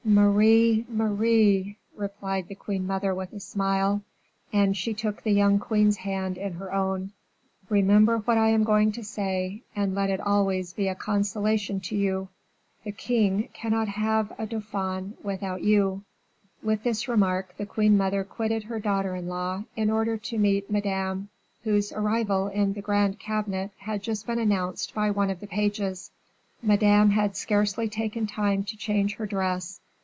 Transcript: "Marie, Marie," replied the queen mother with a smile, and she took the young queen's hand in her own, "remember what I am going to say, and let it always be a consolation to you: the king cannot have a Dauphin without you." With this remark the queen mother quitted her daughter in law, in order to meet Madame, whose arrival in the grand cabinet had just been announced by one of the pages. Madame had scarcely taken time to change her dress.